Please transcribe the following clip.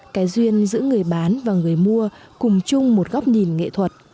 cái duyên giữa người bán và người mua cùng chung một góc nhìn nghệ thuật